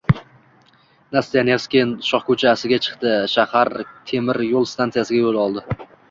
Nastya Nevskiy shohkoʻchasiga chiqdi, shahar temir yoʻl stansiyasiga yoʻl oldi.